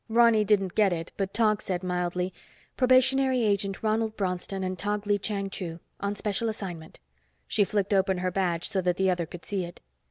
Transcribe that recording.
Ronny didn't get it, but Tog said mildly, "Probationary Agent Ronald Bronston and Tog Lee Chang Chu. On special assignment." She flicked open her badge so that the other could see it.